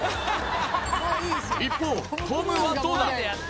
一方トムはどうだ？